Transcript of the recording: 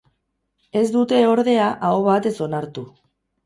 Ez due, ordea, aho batez onartu.